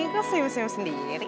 kok semuanya sendiri